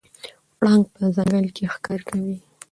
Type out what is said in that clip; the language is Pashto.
پړانګ په ځنګل کې ښکار کوي.